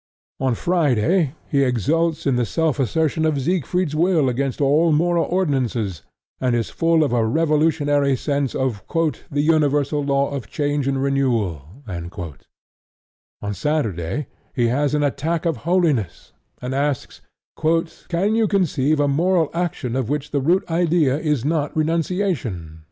On Friday he exults in the self assertion of Siegfried's will against all moral ordinances, and is full of a revolutionary sense of "the universal law of change and renewal": on Saturday he has an attack of holiness, and asks, "Can you conceive a moral action of which the root idea is not renunciation?"